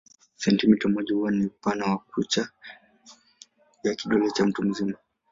Sentimita moja huwa ni upana wa kucha ya kidole cha mtu mzima.